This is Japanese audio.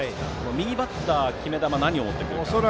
右バッターには決め球何を持ってきますかね。